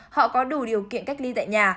họ có đủ điều kiện cách ly tại nhà